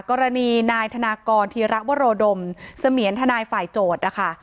กรณีนายธนากรธีระวโรดมเสมียนทนายฝ่ายโจทย์นะคะ